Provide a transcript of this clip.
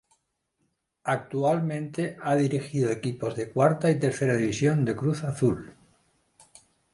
Actualmente ha dirigido equipos de Cuarta y Tercera división del Cruz Azul.